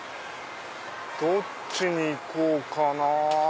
どっちに行こうかなぁ。